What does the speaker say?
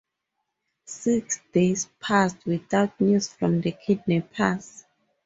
Six days passed without news from the kidnappers.